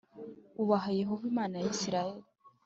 ubaha Yehova Imana ya Isirayeli